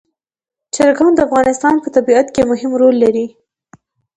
چرګان د افغانستان په طبیعت کې مهم رول لري.